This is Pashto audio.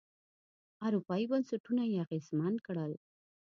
اروپايي بنسټونه یې اغېزمن کړل.